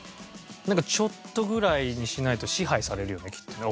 ちょっとぐらいにしないと支配されるよねきっとね。